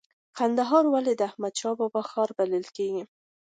کندهار ولې د احمد شاه بابا ښار بلل کیږي؟